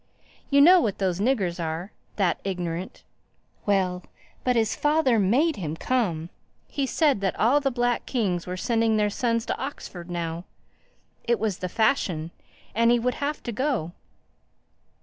You know what those niggers are—that ignorant! Well!—But his father made him come. He said that all the black kings were sending their sons to Oxford now. It was the fashion, and he would have to go.